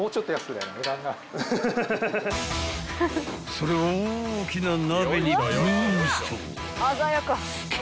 ［それを大きな鍋にブースト］